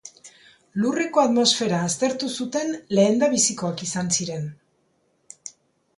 Lurreko atmosfera aztertu zuten lehendabizikoak izan ziren.